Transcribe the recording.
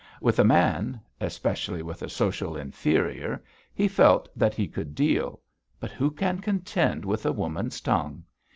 With a man especially with a social inferior he felt that he could deal; but who can contend with a woman's tongue?